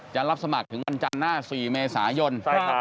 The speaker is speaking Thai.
จะรับสมัครถึงวันจันทร์หน้า๔เมษายน